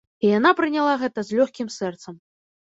І яна прыняла гэта з лёгкім сэрцам.